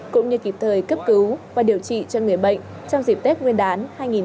cũng như kịp thời cấp cứu và điều trị cho người bệnh trong dịp tết nguyên đán hai nghìn hai mươi